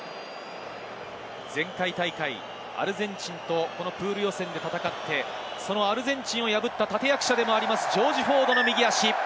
前回大会、アルゼンチンとプール予選で戦って、アルゼンチンを破った立役者でもあります、ジョージ・フォード。